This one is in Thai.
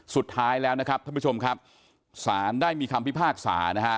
สุดท้ายแล้วนะครับท่านผู้ชมครับศาลได้มีคำพิพากษานะฮะ